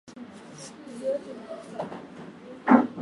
katika jukwaa la michezo na leo hii ni kitu cha muhimu sana ambacho